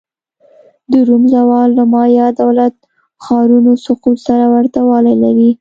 د روم زوال له مایا دولت-ښارونو سقوط سره ورته والی لري